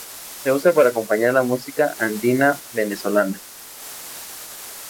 Se usa para acompañar la música andina venezolana.